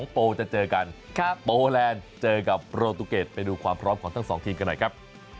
โปจะเจอกันโปแลนด์เจอกับโปรตูเกรดไปดูความพร้อมของทั้งสองทีมกันหน่อยครับ